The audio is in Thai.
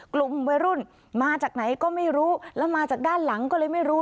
กลุ่มวัยรุ่นมาจากไหนก็ไม่รู้แล้วมาจากด้านหลังก็เลยไม่รู้